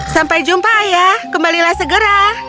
sampai jumpa ayah kembalilah segera